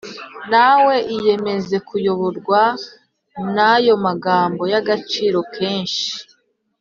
Nawe iyemeze kuyoborwa n’ayo magambo y agaciro kenshi .